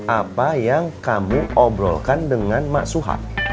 apa yang kamu obrolkan dengan mak suhad